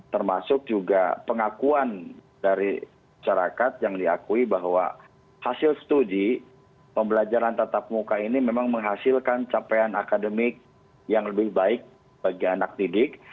termasuk juga pengakuan dari masyarakat yang diakui bahwa hasil studi pembelajaran tatap muka ini memang menghasilkan capaian akademik yang lebih baik bagi anak didik